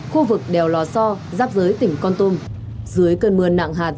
khu vực đèo lò so giáp giới tỉnh con tum dưới cơn mưa nặng hạt